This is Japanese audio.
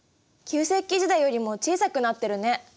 旧石器時代よりも小さくなってるね。